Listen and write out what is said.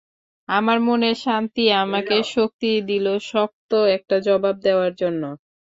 আমার মনের শান্তি আমাকে শক্তি দিল শক্ত একটা জবাব দেওয়ার জন্য।